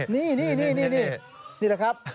นี่นี่เลยครับ